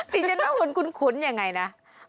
ที่เจนเว้าคุณคุ้นอย่างไงนะ